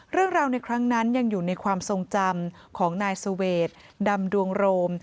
เรื่องราวในครั้งนั้นยังอยู่ในความทรงจำของนายเสวดดำดวงโรม